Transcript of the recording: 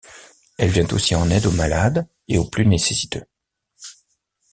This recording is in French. Elle vient aussi en aide aux malades et aux plus nécessiteux.